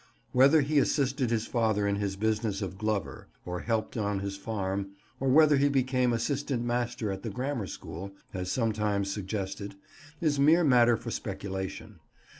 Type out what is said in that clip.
Whether he assisted his father in his business of glover, or helped on his farm, or whether he became assistant master at the Grammar School, as sometimes suggested, is mere matter for speculation.